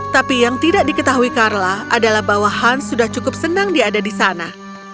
tapi yang tidak diketahui carla adalah bahwa hans sudah cukup senang diada di sana